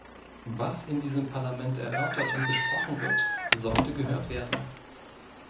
Was in diesem Parlament erörtert und besprochen wird, sollte gehört werden.